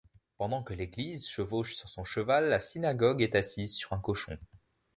Pendant que l’Église chevauche sur son cheval, la synagogue est assise sur un cochon.